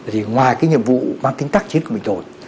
thì ngoài cái nhiệm vụ mang tính tác chiến của bình thuận